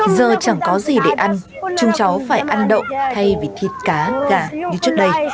giờ chẳng có gì để ăn chúng cháu phải ăn đậu thay vì thịt cá gà như trước đây